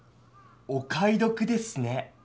お買いどくですね。